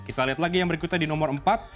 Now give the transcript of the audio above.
kita lihat lagi yang berikutnya di nomor empat